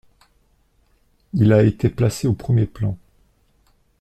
Il a été placé au premier plan.